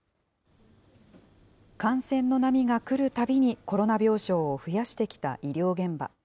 感染の波が来るたびにコロナ病床を増やしてきた医療現場。